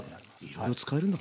いろいろ使えるんだ。